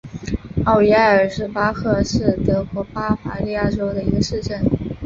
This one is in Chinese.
奥伊埃尔巴赫是德国巴伐利亚州的一个市镇。